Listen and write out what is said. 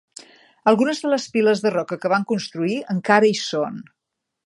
Algunes de les piles de roca que van construir encara hi són.